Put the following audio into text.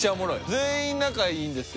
全員仲いいんですよ。